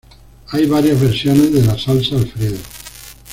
Hay varias versiones de la salsa alfredo.